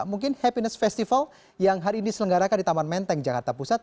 mungkin happiness festival yang hari ini selenggarakan di taman menteng jakarta pusat